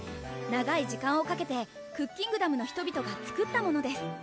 長い時間をかけてクッキングダムの人々がつくったものです